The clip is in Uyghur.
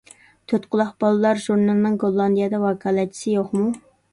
تۆتقۇلاق بالىلار ژۇرنىلىنىڭ گوللاندىيەدىن ۋاكالەتچىسى يوقمۇ؟